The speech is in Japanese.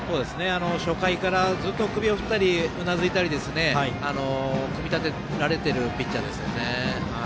初回からずっと首を振ったりうなずいたり組み立てられてるピッチャーですよね。